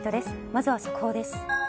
まずは速報です。